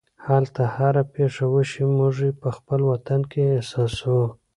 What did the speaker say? دلته هره پېښه وشي موږ یې په خپل وطن کې احساسوو.